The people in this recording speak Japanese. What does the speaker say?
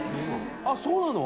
あっそうなの？